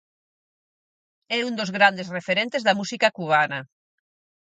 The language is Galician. É un dos grandes referentes da música cubana.